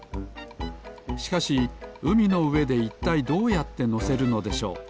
しかしうみのうえでいったいどうやってのせるのでしょう？